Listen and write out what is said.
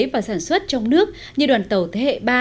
và sản xuất trong nước như đoàn tàu thế hệ ba